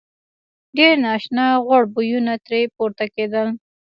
ډېر نا آشنا غوړ بویونه ترې پورته کېدل.